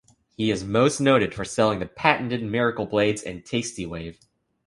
He is most noted for selling the patented Miracle Blades and the TastiWave.